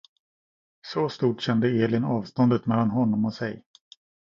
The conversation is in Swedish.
Så stort kände Elin avståndet mellan honom och sig.